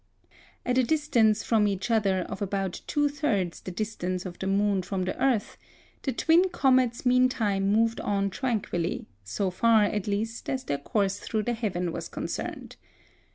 At a distance from each other of about two thirds the distance of the moon from the earth, the twin comets meantime moved on tranquilly, so far, at least, as their course through the heaven was concerned.